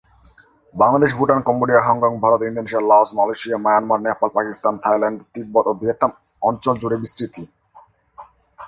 Bangladesh, Bhutan, Cambodia, Hong Kong, Bharat, Indonesia, Laos, Malaysia, Myanmar, Nepal, Pakistan, Thailand, Tibet ও Vietnam অঞ্চল জুড়ে বিস্তৃতি।